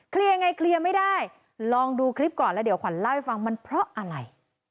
ยังไงเคลียร์ไม่ได้ลองดูคลิปก่อนแล้วเดี๋ยวขวัญเล่าให้ฟังมันเพราะอะไร